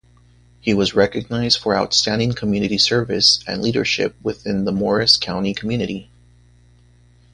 He was recognized for outstanding community service and leadership within the Morris County community.